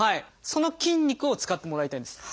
その筋肉を使ってもらいたいんです。